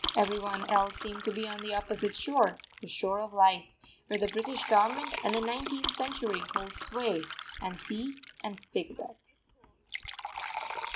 Every one else seemed to be on the opposite shore the shore of life where the British Government and the Nineteenth Century hold sway, and tea and cigarettes.